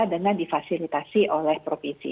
dengan difasilitasi oleh provinsi